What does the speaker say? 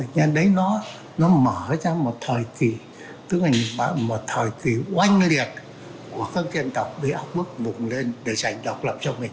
nên đấy nó mở ra một thời kỳ tức là một thời kỳ oanh liệt của các dân tộc để bước vùng lên để giành độc lập cho mình